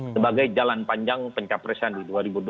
sebagai jalan panjang pencapresan di dua ribu dua puluh